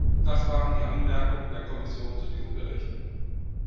Das waren die Anmerkungen der Kommission zu diesem Bericht.